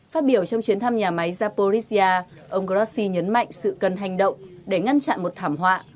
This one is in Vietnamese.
phát biểu trong chuyến thăm nhà máy zaporizhia ông grossi nhấn mạnh sự cần hành động để ngăn chặn một thảm họa